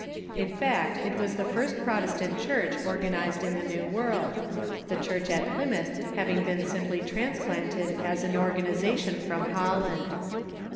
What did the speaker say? In fact, it was the first Protestant Church organized in the New World, the Church at Plymouth having been simply transplanted as an organization from Holland.